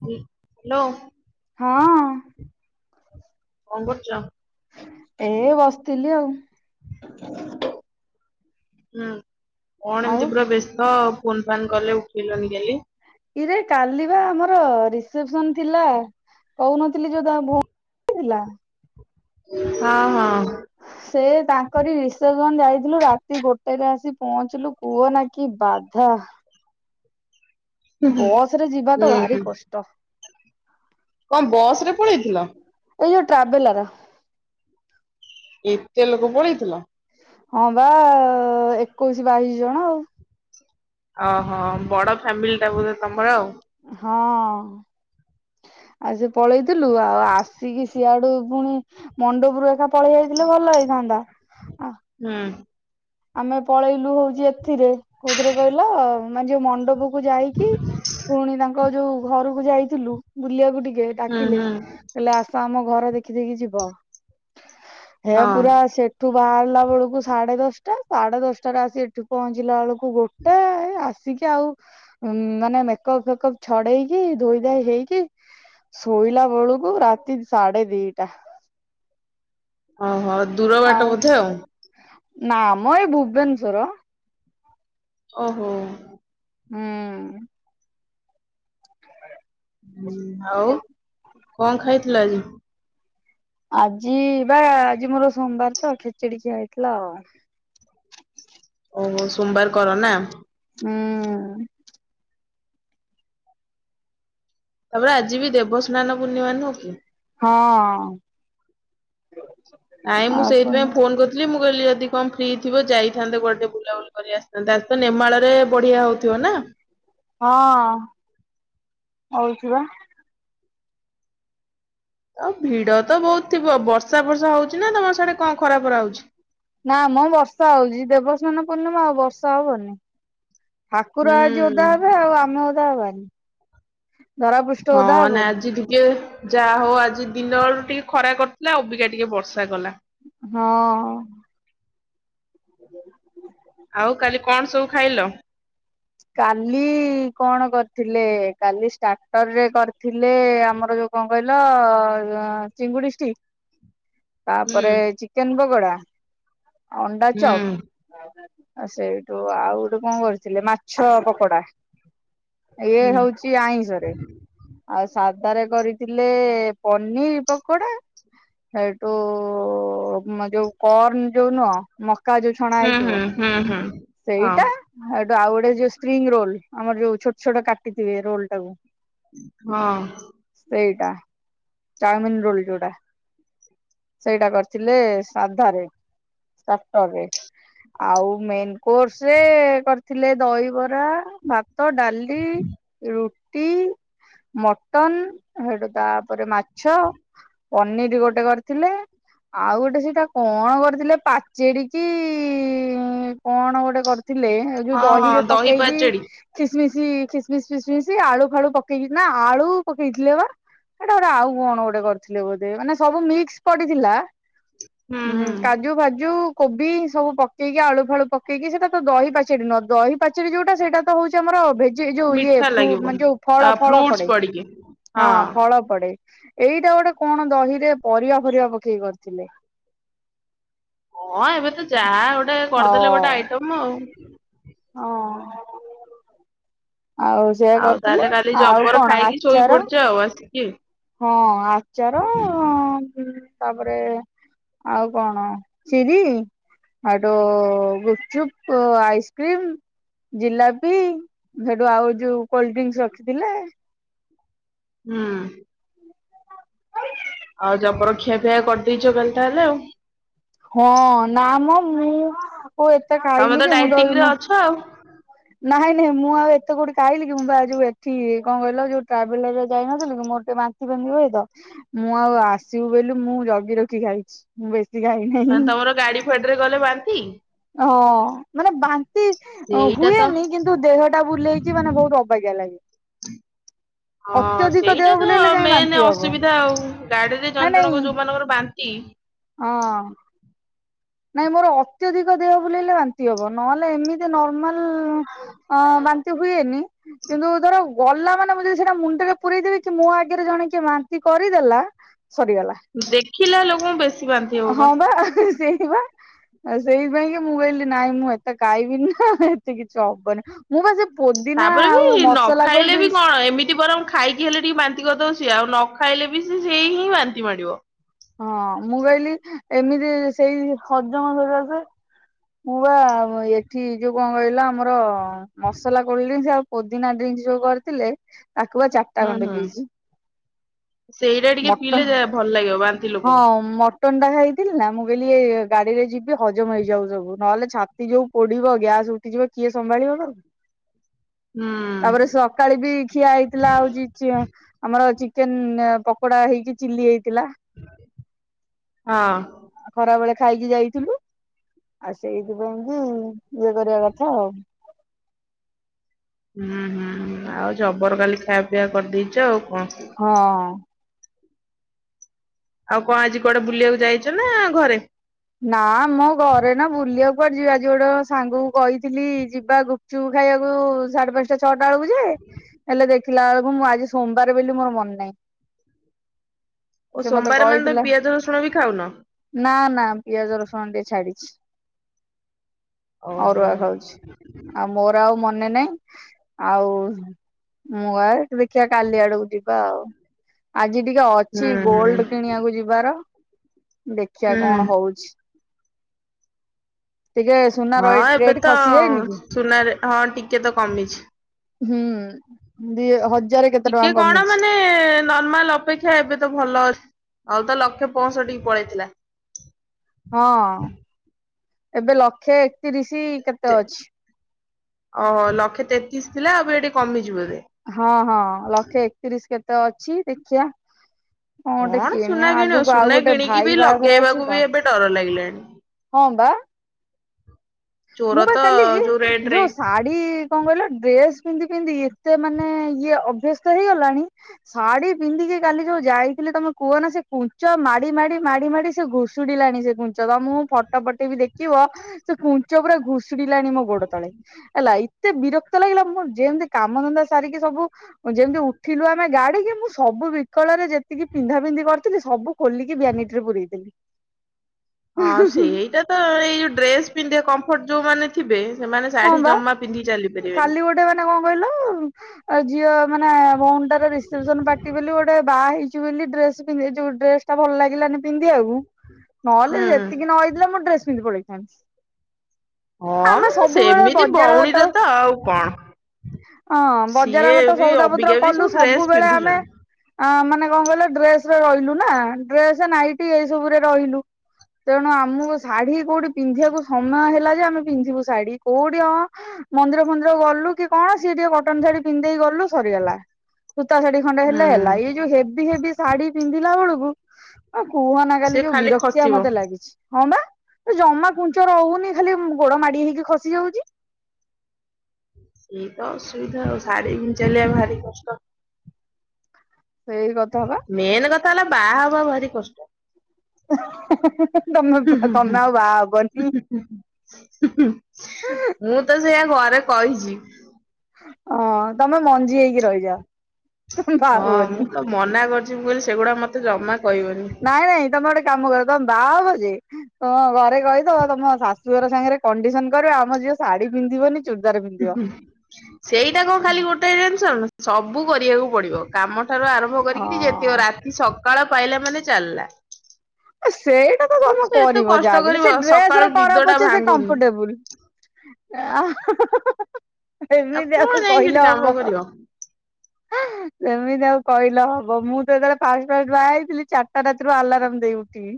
[unintelligible] Hello. ହଁଅଁ। କଣ କରୁଚ। ଏଇ ବସିଥିଲି ଆଉ। ହୁଁ କଣ ଆଉ ଏମିତି ପୁରା ବ୍ୟସ୍ତ ଫୋନ୍ ଫାନ୍ କଲେ ଉଠେଇଲନି କାଲି। ଇରେ କାଲି ବା ଆମର ରିସ୍ପସନ୍ ଥିଲା। କହୁନଥିଲି ଯୋଉ [unintelligible] [unintelligible] ଥିଲା। ହଁ ହଁ। ସେ ତାଙ୍କରି ରିସେସନ୍ ଯାଇଥିଲୁ ରାତି ଗୋଟେରେ ଆସି ପହଞ୍ଚିଲୁ କୁହ ନା କି ବାଧା। ବସରେ ଯିବା ତ ଭାରି ହୁଁ କଷ୍ଟ। କଣ ବସରେ ପଳେଇଥିଲ। ଏଇ ଯୋଉ ଟ୍ରାଭେଲର। ଏତେ ଲୋକ ପଳେଇଥିଲ। ହଁ ବା ଏକୋଇଶ ବାଇଶି ଜଣ ଆଉ। ଓହୋ ବଡ ଫ୍ୟାମିଲି ଟା ବୋଧେ ତମର ଆଉ। ହଁ। ଆ ଯୋ ପଳେଇଥିଲୁ ଆ ଆସିକି ସିଆଡୁ ପୁଣି ମଣ୍ଡପରୁ ଏକା ପଳେଇ ଆଇଥିଲେ ଭଲ ହେଇଥାନ୍ତା। ଆ ହୁଁ। ଆମେ ପଳେଇଲୁ ହଉଚି ଏଥିରେ କୋଉଥିରେ କହିଲ ମାନେ ଯୋଉ ମଣ୍ଡପ କୁ ଯାଇକି ପୁଣି ତାଙ୍କ ଯୋଉ ଘରକୁ ଯାଇଥିଲୁ ବୁଲିବାକୁୁ ଟିକେ। ହୁଁ ଡାକିଲେ ହୁଁ। କଇଲେ ଆସ ଆମ ଘର ଦେଖି ଦେଖି ଯିବ ହେ ହଁ ପୁରା ସେ ଏଠୁ ବାହାରିଲା ବେଳକୁ ସାଢେ ଦଶଟା ସାଢେ ଦଶଟାରେ ଆସି ଏଠୁ ପହଞ୍ଚିଲା ବେଳକୁ ଗୋ [inaudible] ଆସିକି ଆଉ ମାନେ ମେକପ୍ ଫେକପ୍ ଛଡେଇକି ଧୋଇ ଧାଇ ହେଇକି ଶୋଇଲା ବେଳକୁ ରାତି ସାଢେ ଦିଟା। ଓହୋ ଦୂର ବାଟ ବୋଧେ ଆଉ। ନାମ ଏ ଭୁବନେଶ୍ୱର। ଓହୋ। ହୁଁ। ହୁଁ ଆଉ କଣ ଖାଇଥିଲ ଆଜି? ଆଜି ବା ଆଜି ମୋର ସୋମବାରତ ଖେଚେଡି ଖିଆ ହେଇଥିଲା ଆଉ। ଓହୋ ସୋମବାର କର ନା। ଉଁ। ତାପରେ ଆଜିବି ଦେବସ୍ନାନ ପୂର୍ଣ୍ଣିମା ନୁହଁ କି? ହଁ। ନାଇଁ ମୁଁ ଆଉ କଣ ସେଇଥିପାଇଁ ଫୋନ୍ କର୍ ଥିଲି ମୁଁ କହିଲି ଯଦି କଣ ଫ୍ରି ଥିବ ଯାଇଥାନ୍ତେ ଗୋଟେ ବୁଲାବୁଲି କରି ଆସିଥାନ୍ତେ ଆଜିତ ନିଃମାଳରେ ବଢ଼ିଆ ହଉଥିବ ନା। ହଁ ହଉଚିବା। ଆଉ ଭିଡ଼ତ ବହୁତ୍ ଥିବ ବର୍ଷାଫର୍ଷା ହଉଚିନା ତମର ସାଡ଼େ କଣ ଖରାଫରା ହଉଚି? ନା ମ ବର୍ଷା ହଉଚି ଦେବସ୍ନାନ ପୂର୍ଣ୍ଣିମା ଆଉ ବର୍ଷା ହବନି। ଠାକୁର ଆଜି ହୁଁ ଓଦା ହେବେ ଆଉ ଆମେ ଓଦା ହବାନି ଧରା ପୃଷ୍ ହଁ ନା ଆଜି ଇଏ ଯାହା ହଉ ଆଜି ଦିନ ବେଳୁ ଟିକେ ଖରା କରିଥିଲା ଅବିକା ଟିକେ ବର୍ଷା କଲା। ହଁ। ଆଉ କାଲି କଣ ସବୁ ଖାଇଲ? କାଲି କଣ କରିଥିଲେ କାଲି ଷ୍ଟାର୍ଟରରେ କରିଥିଲେ ଆମର ଯୋଉ କଣ କହିଲ ଚିଙ୍ଗୁଡି ଷ୍ଟି [inaudible] ତାପରେ ଚିକେନ୍ ପୋକଡ଼ା ଅଣ୍ଡା ହୁଁ ଚପ୍ ଆ ସେଇଠୁ ଆଉ ଗୋଟେ କଣ କରିଥିଲି ମାଛ ପକୋଡ଼ା। ହୁଁ ଇଏଟ ହଉଚି ଆଇଁଷରେ ଆଉ ସାଧରେ କରିଥିଲେ ପନିର୍ ପକୋଡ଼ା ସେଇଠୁ ଯୋଉ କର୍ଣ ଯୋଉ ନୁହ ମକା ଯୋଉ ଛଣା ହୁଁ ହେଇଥିବ ହୁଁ ହୁଁ ହୁଁ। ହଁ ସେଇଟା ଏ ଆଉ ଗୋଟେ ଯୋଉ ସ୍ପ୍ରିଙ୍ଗ ରୋଲ ଆମର ଯୋଉ ଛୋଟ ଛୋଟ କାଟିଥିବେ ରୋଲ ଟାକୁ ହଁ। ସେଇଟା ଚାଓମିନ୍ ରୋଲ ଯୋଉଟା। ସେଇଟା କରିଥିଲେ ସାଧାରେ। ସ୍ଟାଟରେ ଆଉ ମେନ୍ କୋର୍ସରେ କରିଥିଲେ ଦହିବରା ଭାତ ଡ଼ାଲି ରୁ [inaudible] ମଟନ୍ ତାପରେ ମାଛ ପନିର୍ ଗୋଟେ କରିଥିଲେ ଆଉ ଗୋଟେ ସେଇଟା କଣ କରିଥିଲେ ପାଚେଡ଼େକି କଣ ଗୋଟେ କରିଥିଲେ ଏଯୋଉ ହଁ ହଁ ଦହିରେ ଦହି ପକେଇକି ପାଚେଡି କିସିମିଶି ଖାସିମିସି ଫିସିମିସି ଆଳୁ ଫାଳୁ ପକେଇ ନାଆଳୁ ପକେଇଥିଲେବା। ଏଇଟା ଗୋଟେ ଆଉ କଣ ଗୋଟେ କରିଥିଲେ ବୋଧେ ମାନେ ସବୁ ମିକ୍ସ ପଡ଼ିଥିଲା ହୁଁ କାଜୁ ଫାଜୁ କୋବି ସବୁ ପକେଇକି ଆଳୁ ଫାଳୁ ପକେ କେହି ସେଟା ତ ଦହି ପାଚେଡ଼ି ନୁହେଁ ଦହି ପାଚେରି ଯୋଉଟା ସେଇଟା ହଉଛି ଆମର ଭେଜିଡ ଯୋଉ ଇଏ ମିଠା ଲାଗିବ ଯୋଉ ଫଳ ଆ ଫଳ ଫ୍ରୁଟସ୍ ପଡେ ପଡିକି ହଁ ଫଳ। ପଡେ ଏଇଟା ଗୋଟେ କଣ ଦହିରେ ପରିବା ପରିବା ପକେଇକ କରିଥିଲେ। ହଁ ଏବେ ତ ଯାହା ଗୋଟେ କରିଦେଲେ ଗୋଟେ ଆଇଟମ ଆଉ। ହ ଆଉ ସେଆ ତାହେଲେ କରିଥିଲେ କାଲି ଆଉ ଜବର କଣ ଖାଇକି ଶୋଇ ଆଚାର ପଡୁଛ ଆଉ ଆସିକି। ହଁ ଆଚାର ତାପରେ ଆଉ କଣ ଚିରି ଗୁପଚୁପ୍ ଆଇସ୍କ୍ରିମ୍ ଜିଲାପି ସେଠୁ ଆଉ ଯୋଉ କୋଲଡ ଡ୍ରିଙ୍କସ ରଖିଥିଲେ। ହଁ ଆଉ ଜବରଖିଆ ଫିଆ କରିଦେଇଛ କାଲି ତାହେଲେ ଆଉ ହଁ ନା ମ ମୁଁ କଉ ଏତେ ଖାଇଲି କି ମୁଁ ହଁ ନାଇଁ ନାଇଁ ମୁଁ ଆଉ ଏତେ କୋଠି କାଇଲିି କି ମୁ ବା ଯୋଉ ଏଠି କଣ କହିଲ ଯୋଉ ଟ୍ରାଭେଲରରେ ଯାଇନଥିଲି କି ମୋରେ ବାନ୍ତି ତ ମୁଁ ଆଉ ଆସିବୁ ବୋଲିଲୁ ମୁଁ ଜଗି ରଖି ଖାଇଛି। ମୁଁ ବେଶୀ ଖାଇନି। ତମର ଗାଡି ଫାଡ଼ି ରେ ଗଲେ ବାନ୍ତି। ହଁ ମାନେ ବାନ୍ତି ସେଇଟା ତ ହୁଏନି କିନ୍ତୁ ଦେହ ଟା ବୁଲେଇକି ମାନେ ବହୁତ ଅବଜ୍ଞା ଲାଗେ। [inaudible] ହଁ ଅତ୍ୟଧିକ ଦେହ ସେଇଟା ତ ବୁଲେଇଲେ ଯାଇ ମେନ୍ ବାନ୍ତି ହବ ଅସୁବିଧା ଆଉ ଗାଡିରେ ନା ଜଣ ନାଇଁ ଜଣଙ୍କ ଯୋଉମାନଙ୍କର ବାନ୍ତି କି? ହଁ ନାଇଁ ମୋର ଅତ୍ୟଧିକ ଦେହ ବୁଲେଇଲେ ବାନ୍ତି ହବ ନହେଲେ ଏମିତି ନର୍ମାଲ ବାନ୍ତି ହୁଏନି କିନ୍ତୁ ଧର ଗଲା ମାନେ ମୁଁ ଯଦି ସେଟା ମୁଣ୍ଡରେ ପୁରଇଦେବି କି ମୋ ଆଗରେ ଜଣେକି ମାନ୍ତି କରିଦେଲା ସରିଗଲା। ଦେଖିଲା ଲୋକଙ୍କୁ ବେଶୀ ବାନ୍ତି ହବ ହଁ ବା ସେଇ ବା ସେଇପାଇଁ କି ମୋବାଇଲରେ ନହିଁ ମୁଁ ଏତେ ଖାଇବିନି ନା ଏତେ କିଛି ହବନି। ମୁଁ ବା ସେ ପ ତାପରେ ବି ନ ଖାଇଲେ ବି କଣ ଏମିତି ବରଂ ଖାଇକି ହେଲେ ଟିକେ ବାନ୍ତି କରିଦବ ସିଏ ଆଉ ନ ଖାଇଲେ ବି ସେ ସେଇ ହିଁ ବାନ୍ତି ମାଡିବ। ହଁ ମୁଁ କହିଲି ଏମିତି ସେଇ ହଜମ ସରଆସ। ପୁ ବା ଏଠି ଯୋଉ କଣ କହିଲା ଆମର। ମସଲା କୋଲ ଡ୍ରିସ ଆଉ ପୋଦିନା ଡ୍ରିଙ୍କସ ଯୋଉ କରିଥିଲେ। ତାକୁ ବା ଚାରିଟା ହୁଁ ହୁଁ। ଖଣ୍ଡେ ପିଇଜି ସେଇଟା ଟିକେ ପିଇଲେ ଯାହା ଭଲ ଲାଗିବ ବାନ୍ତି ଲୋକଙ୍କୁ। ଟନ ଟା ଖାଇଥିଲି ନା ମୁଁ କହିଲି ଏ ଗାଡି ରେ ଯିବି ହଜମ ହେଇଯାଉ ସବୁ ନହେଲେ ଛାତି ଯୋଉ ପୋଡିବ ଗ୍ୟାସ ଉଠିଯିବ କିଏ ସମ୍ଭାଳିବତାକୁ। ହୁଁ। ତାପରେ ସକାଳେ ବି ଖିଆ ହେଇଥିଲା ହଉ ଆମର ଚିକେନ ପକୋଡା ହେଇକି ଚିଲି ହେଇଥିଲା। ହଁ। ଆଉ ଖରାବେେଳେ ଖାଇକି ଯାଇଥିଲୁ। ଆଉ ସେଇଥିପାଇଁ ବି ଇଏ କରିବା କଥା ଆଉ। ହୁଁ ହୁଁ ଆଉ ଜବର କାଲି ଖାଇବା ପିଆ କରିଦେଇଛ ଆଉ କଣ? ହଁ। ଆଉ କଣ ଆଜି କୁଆଡେ ବୁଲିବାକୁ ଯାଇଛ ନା ଘରେ? ନା ମୋ ଘରେ ନା ବୁଲିବାକୁୁଆଡେ ଯିବାଜିୋଉୋଟେ ସାଙ୍ଗକୁ କହିଥିଲି ଯିବାକୁ। ଚୁ ଖାଇବାକୁ ସାଢେ ପାଞ୍ଚ ଟା ଛଅଟା ବେଳକୁ ଯେ ହେଲେ ଦେଖିଲା ବେଳକୁ ମୁଁ ଆଜି ସୋମବାର ବୋଲି ମୋର ମନେ ନାଇଁ। ଓ ସୋମବାର ମାନେ ତମେ ପିଆଜ ରସୁଣ ବି ଖାଉନ? ନା ନା ପିଆଜ ରସୁଣ ଟିକେ ଛାଡିଛି, ଓହୋ। ଅରୁଆ ଖାଉଛି। ଆଉ ମୋର ଆଉ ମନେ ନାହିଁ ଆଉ ମୁଁ ଆ ଦେଖିଆ କାଲି ଆଡକୁ ଯିବା ଆଉ। ଆଜି ଟିକେ ଅଛି ହୁଁ ହୁଁ ଗୋଲଡ କିଣିବାକୁ ଯିବାର ଦେଖିବା ହୁଁ କଣ ହଉ ଟିକେ ସୁନା ର ହଁ ଏବେ ରେଟ୍ ତ ଖସି ଯାଇନି କି ସୁନାରେ ହଁ ଟିକେ ତ କମିଛି। ହୁଁ ଦି ହଜାର କେତେ ଟିକେ ଟଙ୍କା କଣ କମିଛି। ମାନେ ନର୍ମାଲ ଅପେକ୍ଷା ଏବେ ତ ଭଲ ଅଛି ଆଉ ତ ଲକ୍ଷ ପ ସଠୀ କି ପଳେଇଥିଲା। ହଁ ଏବେ ଲକ୍ଷେ ଏକତିରିଶ କେତେ ଯେ ଅଛି? ଓ ଲକ୍ଷେ ତେତିଶ ଥିଲା ଆଉବେ କମିଚି ବୋଧେ। ହଁ ହଁ ଲକ୍ଷେ ଏକତିରିଶ କେତେ ଅଛି ଦେଖିଆ କଣ ସୁନା କିଣିବ, ସୁନା କିଣିକି ଭାଇ ବି ବାହାଘର ଅଛି ଲଗେଇବାକୁ ତ ବି ଏବେ ଡର ଲାଗିଲାଣି। ହଁ ବା। ଚୋର ମୁବା ତ କାଲି ରେଟ ରେ ଯୋଉ ସାଡ଼ି ଡି କଣ କହିଲ ଡ୍ରେସ ପିନ୍ଧି ପିନ୍ଧି ଏତେ ମାନେ ଇଏ ଅଭ୍ୟସ୍ତ ହେଇଗଲାଣି ଶାଢୀ ପିନ୍ଧିକି କାଲି ଯୋଉ ଯାଇଥିଲି ତମେ କୁହ ନା ସେ କୁଞ୍ଚ ମାଡି ମାଡି ମାଡି ମାଡି ସେ ଘୁ ଡ଼ିଲାଣି ସେ କୁଞ୍ଚ ତମମୁ ଫଟୋ ପଠେଇବି ବି ଦେଖିବ ସେ କୁ ପୁରା ଘୁଶୁଡିଲାଣି ମୋ ଗୋଡ ତଳେ। ହେଲା ଏତେ ବିରକ୍ତ ଲାଗିଲା ମୁଁ ଯେମିତି କାମଧନ୍ଦା ସାରିକି ସବୁ ଯେମିତି ଉଠିଲୁ ଆମେ ଗାଡିକି ମୁଁ ସବୁ ବିକଳରେ ଯେତିକି ପିନ୍ଧା ପିନ୍ଧି କରିଥିଲି ସବୁ ଖୋଲିକି ବ୍ୟାନିଟ ରେ ପୁରେଇଦେଲି। ହଁ ସେଇଟା ତ ଏଇ ଯୋଉ ଡ୍ରେସ ପିନ୍ଧ କମ୍ଫର୍ଟ ଯୋଉ ମାନେ ଥିବେ ସେମାନେ ହଁ ଶାଢୀ ବା ଜମା ପିନ୍ଧି ଚାଲି ପାରିବେନି। କାଲି ମାନେ କଣ କହିଲ ଝିଅ ମାନେ ଭଉନ ଟାର ରିସେପସନ ପାର୍ଟି ବୋଲି ଗୋଟେ ବାହା ହେଇଛି ବୋଲି ଡ୍ରେସ ପିନ୍ଧ ଯୋଉ ଡ୍ରେସ ଟା ଭଲ ଲାଗିଲାନି ପିନ୍ଧିବାକୁ ନହେଲେ ହୁଁ ସେତିକି ନ ହେଇଥିଲା ମୁଁ ଡ୍ରେସ ପିନ୍ଧି ପଳେଇଥାନ୍ତି। ହଁ ଆମେ ମାନେ ସବୁବେଳେ ସେମିତି ବଜାର ଘାଟ ଭଉଣୀର ତ ଆଉ କଣ। ହଁ ବଜାର ସିଏ ଘାଟ ବି ସଉଦା ପତ୍ର ଅବିକା ବି କଲୁ ସବୁ ଡ୍ରେସ ସବୁବେଳେ ଆମେ ପିନ୍ଧୁଛନ୍ତି ଆ ମାନେ କଣ କହିଲ ଡ୍ରେସ ରେ ରହିଲୁ ନା ଡ୍ରେସ ନାଇଟି ଏସବୁରେ ରହିଲୁ। ତେଣୁ ଆମକୁ ଶାଢୀ କୋଉଠି ପିନ୍ଧିବାକୁ ସମୟ ହେଲା ଯେ ଆମେ ପିନ୍ଧିବୁ ଶାଢୀ କୋଉଠି ଅଁ ମନ୍ଦିର ଫନ୍ଦିର ଗଲୁ କି କଣ ସିଏ ଟିକେ କଟନ ଶାଢୀ ପିନ୍ଧିଦେଇକି ଗଲୁ ସରିଗଲା। ସୂତା ଶାଢୀ ଖଣ୍ଡେ ହେଲେ ହେଲା, ହୁଁ। ଏଇ ଯୋଉ ହେଭି ହେଭି ଶାଢୀ ପିନ୍ଧିଲା ବେଳକୁ ହ କୁହ ନା ସେ କାଲି ଯୋଉ ଖାଲି ବିରକ୍ତିଆ ଖସିବ ମତେ ଲାଗିଚି। ହଁ ବା ଜମା କୁଞ୍ଚ ରହୁନି ଖାଲି ଗୋଡ ମାଡି ହେଇକି ଖସି ଯାଉଛି। ସେଇ ତ ଅସୁବିଧା ଆଉ ଶାଢୀ ପିନ୍ଧି ଚାଲିବା ଭାରି କଷ୍ଟ। ସେଇ କଥା ବା। ମେନ୍ କଥା ହେଲା ବାହା ହବା ଭାରି କଷ୍ଟ। [unintelligible] ତମେ ଆଉ ବାହା ହବନି [unintelligible] ତ ସେଇଆ ଘରେ କହିଛି। ହଁ ତମେ ମଞ୍ଜି ହେଇକି ରହିଯାଅ ତମେ ବାହା ହଁ ମୁଁ ହୁଅନି। ତ ମନା କରିଛି ମୁଁ କହିଲି ସେଗୁଡା ମତେ ଜମା କହିବନି। ନାଇଁ ନାଇଁ ତମେ ଗୋଟେ କାମ କର ତମେ ବାହା ହବ ଯେ ହଁ ଘରେ କହିଦେବ ତମ ଶାଶୁଘର ସାଙ୍ଗରେ କଣ୍ଡିସନ କରିବେ ଆମ ଝିଅ ଶାଢୀ ପିନ୍ଧିବନି। ଚୁଡଦାର ପିନ୍ଧିବ ସେଇଟା କଣ ଖାଲି ଗୋଟାଏ ଜିନିସ ନା ସବୁ କରିବାକୁ ପଡିବ। କାମ ଠାରୁ ଆରମ୍ଭ କରିକିରି ଯେତିି କ ହଁ ରାତି ସକାଳ ପାଇଲା ମାନେ ଚାଲିଲା। ସେଇଟା ତ ସିଏ ତମେ ସେ ଏତେ କରିବ କଷ୍ଟ ଯାହାବି ହେଲେ କରିବ ସେ ସକାଳୁ ଡ୍ରେସରେ ନିଦ କର ଟା ପଛେ ସେ ଭାଙ୍ଗୁନି। କମ୍ଫର୍ଟେବୁଲ। ଆ ହା ହା ହା ହା ହା ଏମିତି ଆଉ କହିଲେ ହବ। ଙ୍କି ସେମିତି ଆଉ କହିଲେ ହବ ମୁଁ ତ ଯେତେବେଳେ ଫାଷ୍ଟ ଫାଷ୍ଟ ବାହା ହେଇଥିଲି ଚାରଟା ରାତିରୁ ଆଲାରାମ୍ ଦେଇ ଉ ଠିବି।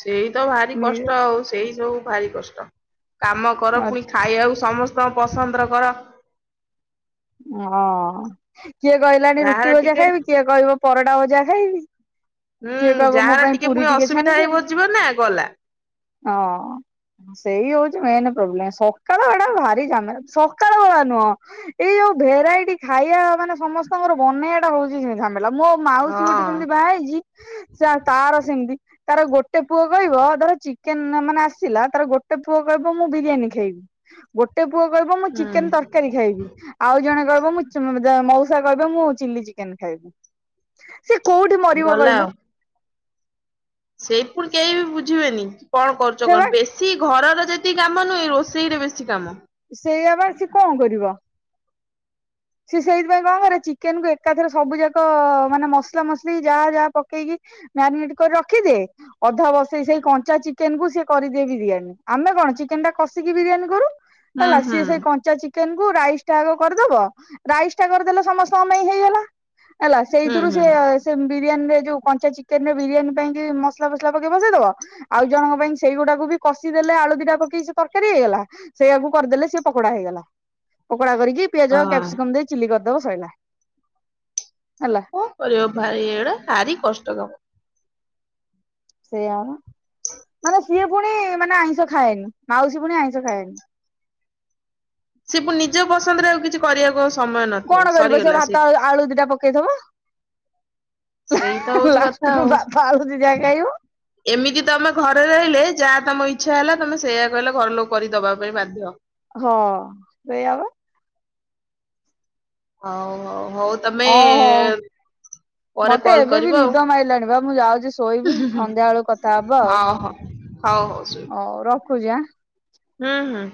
ସେଇ ତ ଭାରି କଷ୍ଟ ଆଉ ସେଇ ସବୁ ଭାରି କଷ୍ଟ। କାମ କର ହଁ ପୁଣି ଖାଇବାକୁ ସମସ୍ତଙ୍କ ପସନ୍ଦର କର। ହଁ କିଏ କହିଲାଣି ଯାହାର ରୁଟି ଭଜା ଟିକେ ଖାଇବି କିଏ କହିବ ପରଟା ଭଜା ଖାଇବି ହୁଁ କିଏ କହିବ ମୋ ଯାହାର ପାଇଁ ଟିକେ ପୁରୀ ପୁଣି ଅସୁବିଧା ଛାଣିଦିଅ। ହେଇ ବ ଯିବ ନା ଗଲା। ହଁ। ସେଇ ହୋଉଚି ମେନ ପ୍ରୋବ୍ଲେମ ସକାଳ ଏଟା ଭାରି ଝାମେଲା ସକାଳ ବେଳା ନୁହଁ ଏଇ ଯୋଉ ଭେରାଇଟି ଖାଇବା ମାନେ ସମସ୍ତେଙ୍କର ବନେଇବାଟା ହୋଉଚି ଝାମେଲା ମୋ ମାଉସୀ ଗୋଟେ ହଁ ସେମିତି ବାହା ହେଇ ତାର ସେମତି ତାର ଗୋଟେ ପୁଅ କହିବ ଧର ଚିକେନ ମାନେ ଆସିଲା ତାର ଗୋଟେ ପୁଅ କହିବ ମୁଁ ବିରିୟାନୀ ଖାଇ ଗୋଟେ ପୁଅ କହିବ ମୁଁ ଚିକେନ ହୁଁ ତରକାରୀ ଖାଇବି ଆଉ ଜଣେ କହିବ ମୁଁ [unintelligible] ମଉସା କହିବେ ମୁଁ ଚିଲି ଚିକେନ ଖାଇବି। ସିଏ କୋଉଠି ମରିବ ଗଲା ଆଉ। କହିଲ? ସେଇ ପୁଣି କେହି ବି ବୁଝିବେନି କି କଣ କରୁଚ ସେ ବା କଣ ବେଶ ସେଇ ଘରର ଯେତିକି କାମ ନାହିଁ ରୋଷେଇରେ ବେଶୀ କାମ। ସେଇଆ ପା ସିଏ କଣ କରିବ? ସିଏ ସେଇଥିପାଇଁ କଣ କରେ ଚିକେନକୁ ଏକାଥରେ ସବୁ ଯାକ ମାନେ ମସଲା ମସଲି ଯାହା ଯାହା ପକେଇକି ମ୍ୟାରିନେଟ କରି ରଖିଦିଏ ଅଧା ବସେଇ ସେଇ କଞ୍ଚା ଚିକେନକୁ ସିଏ କରିଦିଏ ବିରିୟାନୀ ଆମେ କଣ ଚିକେନଟା କଷିକି ବିରିୟାନୀ କରୁ ହୁଁ ହେଲା ହୁଁ ସିଏ ସେଇ କଞ୍ଚା ଚିକେନକୁ ରାଇସଟା ଆଗ କରିଦବ ରାଇସଟା କରଦେଲେ ସମସ୍ତଙ୍କ ପାଇଁ ହେଇଗଲା ହେଲା ହୁଁ ସେଇଥିରୁ ହୁଁ ସିଏ ହଁ। ସେ ବିରିୟାନୀରେ ଯୋଉ କଞ୍ଚା ଚିକେନରେ ବିରିୟାନୀ ପାଇଁ କି ମସଲା ଫସଲା ପକେଇ ବସେଇଦବ ଆଉ ଜଣଙ୍କ ପାଇଁ ସେଇଗୁଡାକୁ ବି କଷିଦେଲେ ଆଳୁ ଦିଇଟା ପକେଇ ସେ ତରକାରୀ ହେଇଗଲା ସେଇଆକୁ କରଦେଲେ ସିଏ ପକଡା ହେଇଗଲା ପକଡା କରିକି ପିଆଜ ଆଉ କ୍ୟାପସିକମ୍ ଦେଇ ଚିଲି କରିଦବ ସଇଲା। ଆଉ ହେଲା କଣ କରିବ ଭାଇ ଏଇଡା ଭାରି କଷ୍ଟ କାମ। ସେୟା ପା ମାନେ ସିଏ ପୁଣି ମାନେ ଆଇଁଷ ଖାଏନି ମାଉସୀ ଫୁଣି ଆଇଁଷ ଖାଏନି। ସିଏ ପୁଣି ନିଜ ପସନ୍ଦରେ ଆଉ କିଛି କରିବାକୁ ଆଉ ସମୟ ନ କଣ କରିବ ସିଏ ଭାତ ଆଳୁ ଦିଇଟା ପକେଇଥିବ। ଉଁ ସେଇ ତ ହୁଁ ହୁଁ ହଉଛି କଥା ଲାଷ୍ଟକୁ ଆଉ। ପା ଯା ଆଳୁ ସିଜା ଖାଇବ। ଏମିତି ତମେ ଘରେ ରହିଲେ ଯାହା ତମ ଇଚ୍ଛା ହେଲା ତମେ ସେଇୟା କହିଲା ଘରଲୋକ କରିକି ଦବା ପାଇଁ ବାଧ୍ୟ। ହଁ ସେୟା ପା। ହଉ ହଉ ହଉ ତମେ ହଁ ହଉ ପରେ ମତେ କଲ ଏବେ ବି କରିବ ଆଉ ନିଦ ମାଇଲାଣି ବା ମୁଁ ଯାଉଛି ଶୋଇବି ସନ୍ଧ୍ୟା ବେଳୁ କଥା ହଉ ହ। ହଉ ହୋଉ ଶୋଇ ହୋଉ ରଖୁଚି ଆଁ ହୁଁ ହୁଁ।